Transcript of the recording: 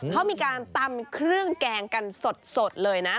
เขามีการตำเครื่องแกงกันสดเลยนะ